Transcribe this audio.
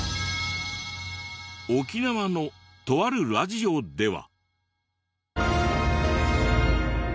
沖縄のとあるラジオでは。